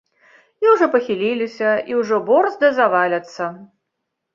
І ўжо пахіліліся, і ўжо борзда заваляцца.